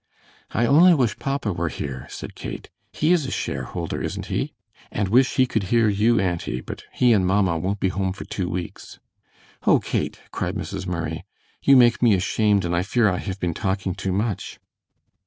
"I only wish papa were here," said Kate. "He is a share holder, isn't he? And wish he could hear you, auntie, but he and mamma won't be home for two weeks." "Oh, Kate," cried Mrs. Murray, "you make me ashamed, and I fear I have been talking too much."